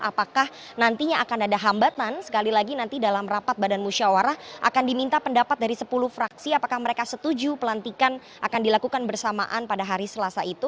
apakah nantinya akan ada hambatan sekali lagi nanti dalam rapat badan musyawarah akan diminta pendapat dari sepuluh fraksi apakah mereka setuju pelantikan akan dilakukan bersamaan pada hari selasa itu